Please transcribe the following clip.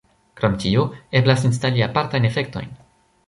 Krom tio eblas instali apartajn efektojn.